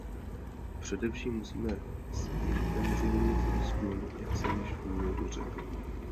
Především, musíme zintenzívnit výzkum, jak jsem již v úvodu řekl.